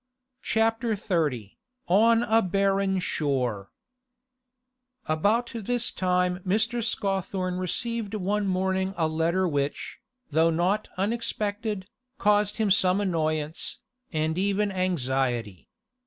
CHAPTER XXX ON A BARREN SHORE About this time Mr. Scawthorne received one morning a letter which, though not unexpected, caused him some annoyance, and even anxiety.